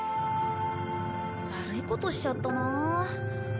悪いことしちゃったなあ。